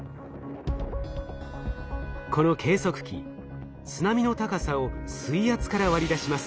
この計測器津波の高さを水圧から割り出します。